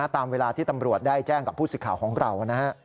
ตามเวลาที่ตำรวจได้แจ้งกับผู้สิทธิ์ข่าวของเรานะฮะ